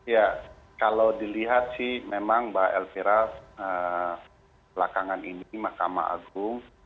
ya kalau dilihat sih memang mbak elvira belakangan ini mahkamah agung